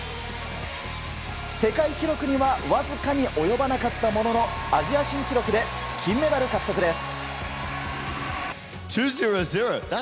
世界記録にはわずかに及ばなかったもののアジア新記録で金メダル獲得です。